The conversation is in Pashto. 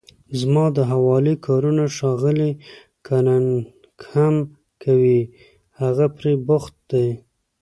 زما د حوالې کارونه ښاغلی کننګهم کوي، هغه پرې بوخت دی.